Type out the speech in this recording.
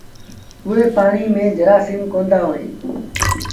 اُئي پآڻيٚ ميݩ جرآسيٚم ڪوندآ هوئيݩ۔